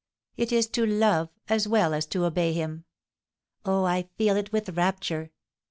It is to love as well as to obey him. Oh, I feel it with rapture!